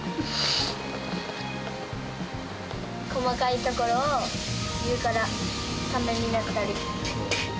細かいところを言うから、ためになったり。